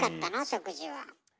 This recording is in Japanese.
食事は。